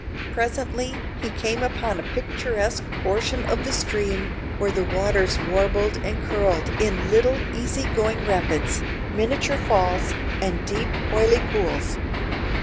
Presently he came upon a picturesque portion of the stream where the waters warbled and curled in little easy going rapids, miniature falls, and deep oily pools.